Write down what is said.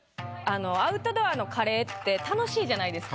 アウトドアのカレーって楽しいじゃないですか。